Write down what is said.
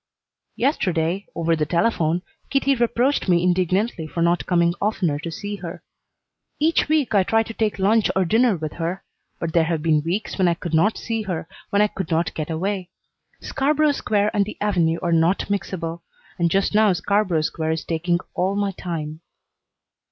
Yesterday, over the telephone, Kitty reproached me indignantly for not coming oftener to see her. Each week I try to take lunch or dinner with her, but there have been weeks when I could not see her, when I could not get away. Scarborough Square and the Avenue are not mixable, and just now Scarborough Square is taking all my time.